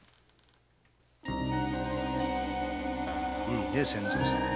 いいね千蔵さん。